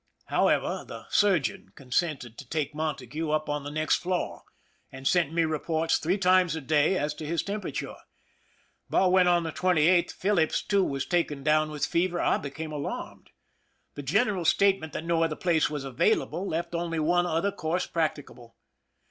However, the surgeon consented to take Montague up on the next floor, and sent me reports three times a day as to his temperature; but when, on the 28th, Phillips too was taken down with fever, I became alarmed. The general's state ment that no other place was available left only one other course practicable.